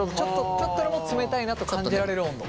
ちょっとでも冷たいなと感じられる温度？